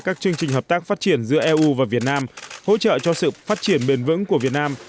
các chương trình hợp tác phát triển giữa eu và việt nam hỗ trợ cho sự phát triển bền vững của việt nam